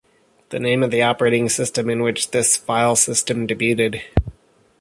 The name of the operating system in which this filesystem debuted.